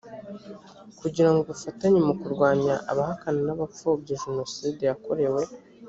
kugira ngo bafatanye mu kurwanya abahakana n abapfobya jenoside yakorewe